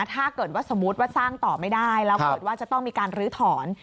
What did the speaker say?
ถ้าเกิดว่าสมมุติว่าสร้างต่อไม่ได้แล้วเกิดว่าจะต้องมีการลื้อถอน